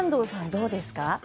どうですか？